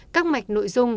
các mạch nội dung